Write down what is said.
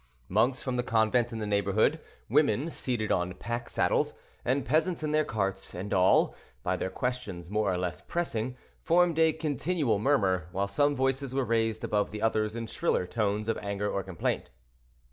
Monks from the convent in the neighborhood, women seated on pack saddles, and peasants in their carts, and all, by their questions more or less pressing, formed a continual murmur, while some voices were raised above the others in shriller tones of anger or complaint.